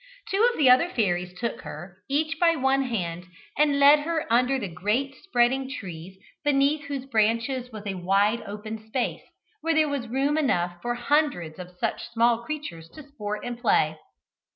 Two of the other fairies took her, each by one hand, and led her under the great spreading trees, beneath whose branches was a wide open space, where there was room enough for hundreds of such small creatures to sport and play.